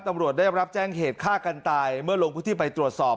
ตำรวจได้รับแจ้งเหตุฆ่ากันตายเมื่อลงพื้นที่ไปตรวจสอบ